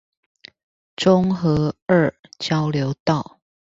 中和二交流道